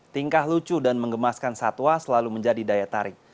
tingkah lucu dan mengemaskan satwa selalu menjadi daya tarik